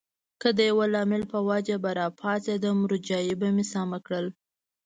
که د یوه لامل په وجه به راپاڅېدم، روژایې مې سمه کړله.